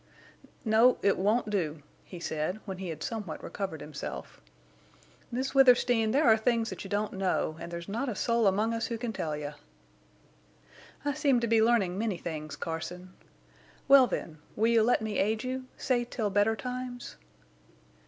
"No, it won't do," he said, when he had somewhat recovered himself. "Miss Withersteen, there are things that you don't know, and there's not a soul among us who can tell you." "I seem to be learning many things, Carson. Well, then, will you let me aid you—say till better times?"